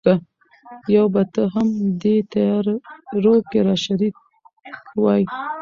یو به ته هم دې تیارو کي را شریک وای